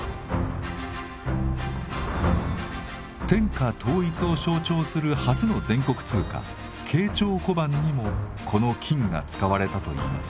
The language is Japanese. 天下統一を象徴する初の全国通貨「慶長小判」にもこの金が使われたといいます。